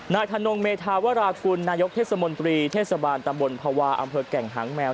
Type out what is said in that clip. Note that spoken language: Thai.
ธนงเมธาวรากุลนายกเทศมนตรีเทศบาลตำบลภาวะอำเภอแก่งหางแมว